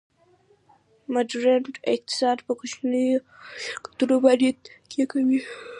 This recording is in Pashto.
ماډرن اقتصاد په کوچنیو شرکتونو باندې تکیه کوي